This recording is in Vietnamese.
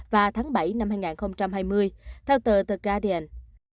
và tháng bảy năm hai nghìn hai mươi theo tờ the guardian